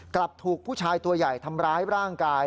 กลับถูกผู้ชายตัวใหญ่ทำร้ายร่างกาย